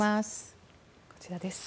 こちらです。